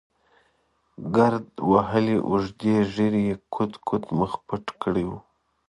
ګرد وهلې اوږدې ږېرې یې کوت کوت مخ پټ کړی و.